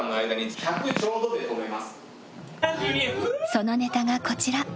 そのネタがこちら。